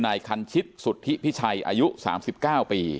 นายคันชิตสุทธิพิชัยอายุ๓๙ปี